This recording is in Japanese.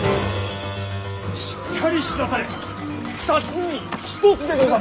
しっかりしなされ二つに一つでござる。